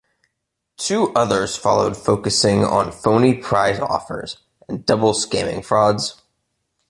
Two others followed focusing on phony prize offers and double scamming frauds.